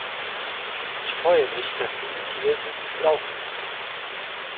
Ich freue mich, dass dieses hier so gut gelaufen ist!